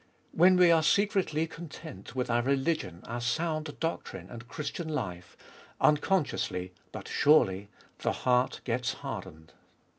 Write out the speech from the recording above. When we are secretly content with our religion, our sound doctrine and Christian life, unconsciously but surely the heart gets hardened.